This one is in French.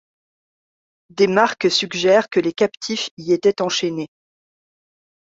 Des marques suggèrent que les captifs y étaient enchaînés.